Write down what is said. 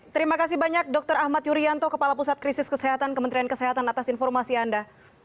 terima kasih banyak dokter ahmad yuryanto kepala pusat krisis kesehatan kementerian kesehatan atas informasi anda